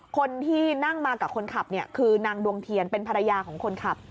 คนที่นั่งมากับคนขับคือนางดวงเทียนเป็นภรรยาของคนขับ